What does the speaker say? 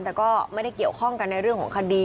แต่ก็ไม่ได้เกี่ยวข้องกันในเรื่องของคดี